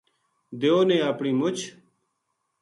دیو نے اپنی مُچھ